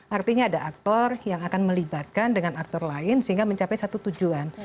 artinya ada aktor yang akan melibatkan dengan aktor lain sehingga mencapai satu tujuan